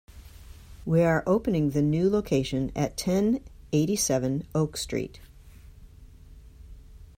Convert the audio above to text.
We are opening the a new location at ten eighty-seven Oak Street.